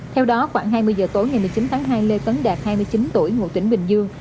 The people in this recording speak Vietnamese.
theo đó khoảng hai mươi giờ tối ngày một mươi chín tháng hai lê tấn đạt hai mươi chín tuổi ngụ tỉnh bình dương